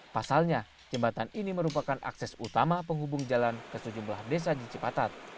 pasalnya jembatan ini merupakan akses utama penghubung jalan ke sejumlah desa di cipatat